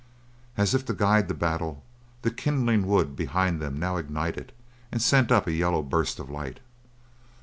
As if to guide the battle, the kindling wood behind them now ignited and sent up a yellow burst of light.